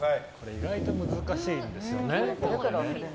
意外と難しいんですよね。